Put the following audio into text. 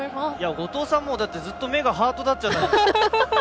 後藤さんもずっと目がハートだったじゃないですか。